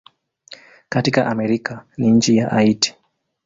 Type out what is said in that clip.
Katika Amerika ni nchi ya Haiti.